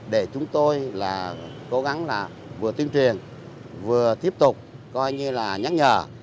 để chúng tôi cố gắng vừa tiêm truyền vừa tiếp tục nhắc nhở